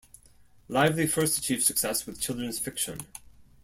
Lively first achieved success with children's fiction.